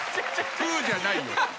「フゥー！」じゃないよ。